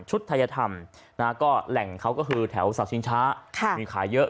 ทัยธรรมนะฮะก็แหล่งเขาก็คือแถวเสาชิงช้ามีขายเยอะ